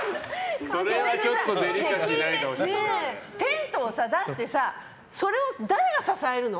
テントをさ、出してさそれを誰が支えるの？